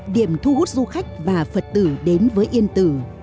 điểm thu hút du khách và phật tử đến với yên tử